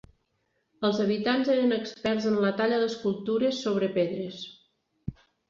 Els habitants eren experts en la talla d'escultures sobre pedres.